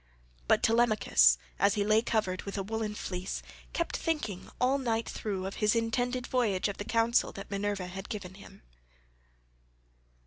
16 But Telemachus as he lay covered with a woollen fleece kept thinking all night through of his intended voyage and of the counsel that Minerva had given him.